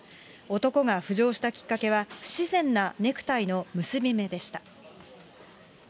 男が浮上したきっかけは不自然なネクタイの結び目でした。